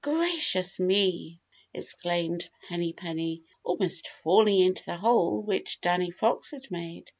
"Gracious me!" exclaimed Henny Penny, almost falling into the hole which Danny Fox had made.